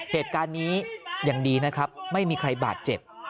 เหตุการณ์นี้อย่างดีนะครับไม่มีใครบาดเจ็บ